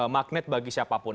magnet bagi siapapun